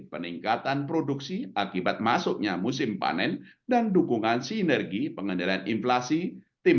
peningkatan produksi akibat masuknya musim panen dan dukungan sinergi pengendalian inflasi tim